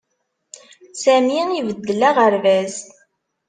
Sami ibeddel aɣerbaz.